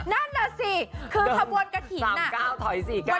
นั่นน่ะสิคือขบวนกะถิ่นน่ะ๓เก้าถอย๔เก้า